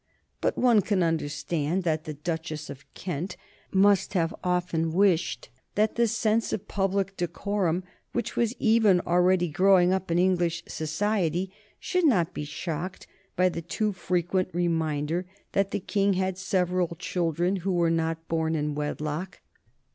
But one can understand that the Duchess of Kent must have often wished that the sense of public decorum, which was even already growing up in English society, should not be shocked by the too frequent reminder that the King had several children who were not born in wedlock.